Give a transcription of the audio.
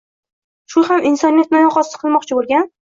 Shu odam insoniyatni oyoqosti qilmoqchi bo‘lgan